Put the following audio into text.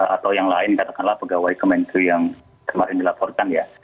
atau yang lain katakanlah pegawai kemenkyu yang kemarin dilaporkan ya